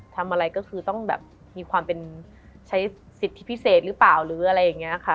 ทำอะไรก็คือต้องมีความเป็นใช้สิทธิ์ที่พิเศษหรือเปล่า